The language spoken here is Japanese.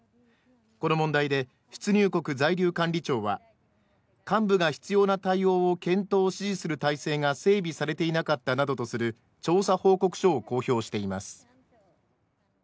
この問題で、出入国在留管理庁は幹部が必要な対応を検討・指示する体制が整備されていなかったなどとする調査報告書を公表しています。